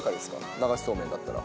流しそうめんだったら。